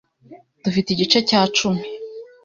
Dufite igice cya cumi .